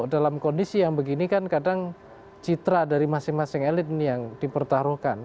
dalam kondisi yang begini kan kadang citra dari masing masing elit ini yang dipertaruhkan